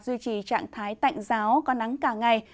duy trì trạng thái tạnh giáo có nắng cả ngày